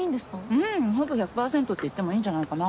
うんほぼ１００％っていってもいいんじゃないかな。